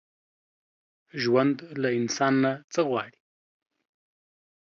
ژوند له انسان نه څه غواړي؟